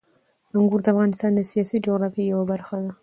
انګور د افغانستان د سیاسي جغرافیې یوه برخه ده.